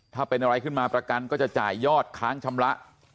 ถ้าเป็นอะไรขึ้นมาประกันก็จะจ่ายยอดค้างชำระ